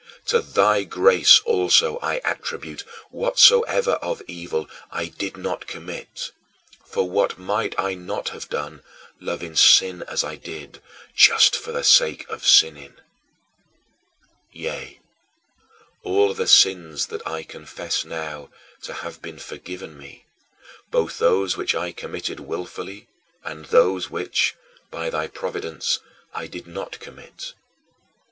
To thy grace also I attribute whatsoever of evil I did not commit for what might I not have done, loving sin as I did, just for the sake of sinning? Yea, all the sins that I confess now to have been forgiven me, both those which I committed willfully and those which, by thy providence, I did not commit.